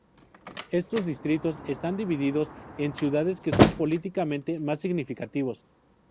Estos distritos están divididos en ciudades que son políticamente más significativos.